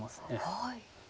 はい。